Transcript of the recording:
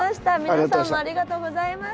皆さんもありがとうございました。